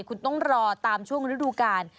คุณต้องรอตามช่วงฤดูกาล